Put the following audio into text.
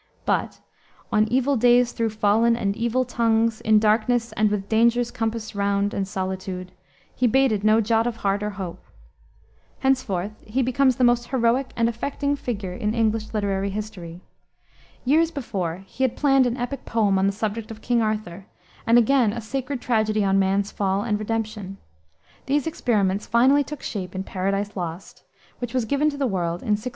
But "On evil days though fallen, and evil tongues, In darkness and with dangers compassed round And solitude," he bated no jot of heart or hope. Henceforth he becomes the most heroic and affecting figure in English literary history. Years before he had planned an epic poem on the subject of King Arthur, and again a sacred tragedy on man's fall and redemption. These experiments finally took shape in Paradise Lost, which was given to the world in 1667.